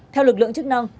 theo lực lượng chức năng